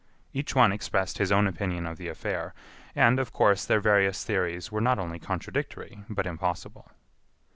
Each one expressed his own opinion of the affair; and, of course, their various theories were not only contradictory but impossible.